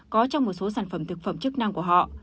có trong một số sản phẩm thực phẩm chức năng của họ